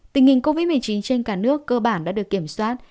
tình hình covid một mươi chín trên cả nước cơ bản đã được kiểm soát